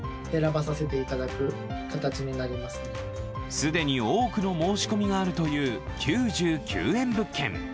既に多くの申し込みがあるという９９円物件。